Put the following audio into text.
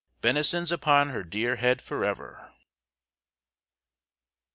"Benisons upon her dear head forever!"